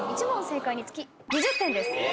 １問正解につき２０点です。